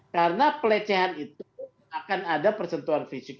karena pelecehan itu akan ada persentuhan fisik